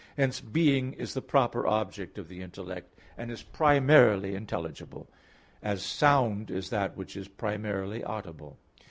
Hence, being is the proper object of the intellect, and is primarily intelligible; as sound is that which is primarily audible.